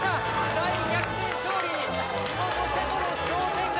大逆転勝利に地元・瀬戸の商店街